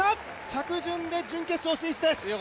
着順で準決勝進出です。